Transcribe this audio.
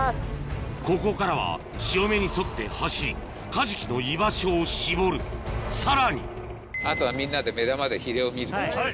ここからは潮目に沿って走りカジキの居場所を絞るさらにあとはみんなで目玉で。